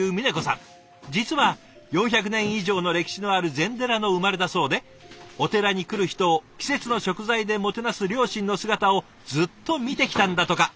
実は４００年以上の歴史のある禅寺の生まれだそうでお寺に来る人を季節の食材でもてなす両親の姿をずっと見てきたんだとか。